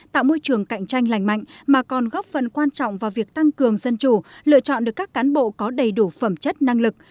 tạo môi trường cạnh tranh lành mạnh mà còn góp phần quan trọng vào việc tăng cường dân chủ lựa chọn được các cán bộ có đầy đủ phẩm chất năng lực